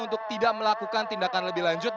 untuk tidak melakukan tindakan lebih lanjut